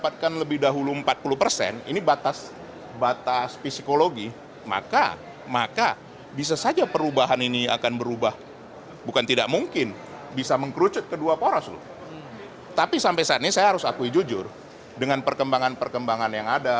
tapi sampai saat ini saya harus akui jujur dengan perkembangan perkembangan yang ada